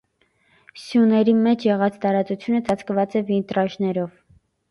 Սյուների մեջ եղած տարածությունը ծածկված է վիտրաժներով։